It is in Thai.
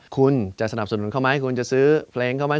คุณจะสนับสนุนเขาไหมคุณจะซื้อเพลงเขาไหม